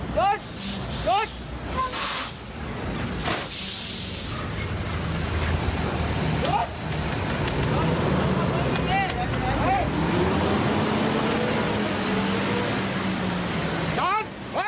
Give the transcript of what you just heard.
กลับมาคุยดีดีดีดี